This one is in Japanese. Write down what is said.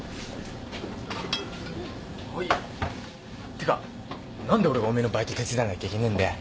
ってか何で俺がお前のバイト手伝わなきゃいけねえんだよ。